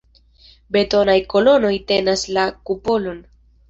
Betonaj kolonoj tenas la kupolon.